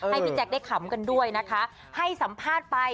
ให้พี่แจ๊คได้ขำกันด้วยนะคะให้สัมภาษณ์ไป